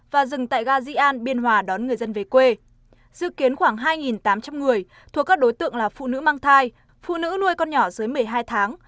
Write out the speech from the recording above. và rừng tại ga di an biên hòa đón người dân về quê dự kiến khoảng hai tám trăm linh người thuộc các đối tượng là phụ nữ mang thai phụ nữ nuôi con nhỏ dưới một mươi hai tháng